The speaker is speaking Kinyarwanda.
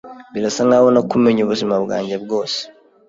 Birasa nkaho nakumenye ubuzima bwanjye bwose.